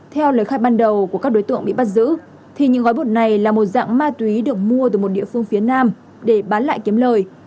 theo lời khai ban đầu của các đối tượng bị bắt giữ thì những gói bột này là một dạng ma túy được mua từ một địa phương phía nam để bán lại kiếm lời